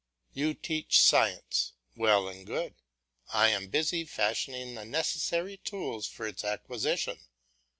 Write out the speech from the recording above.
You teach science; well and good; I am busy fashioning the necessary tools for its acquisition.